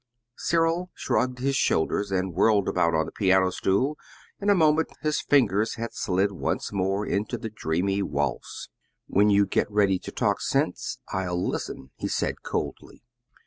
Cyril shrugged his shoulders and whirled about on the piano stool. In a moment his fingers had slid once more into the dreamy waltz. "When you get ready to talk sense, I'll listen," he said coldly.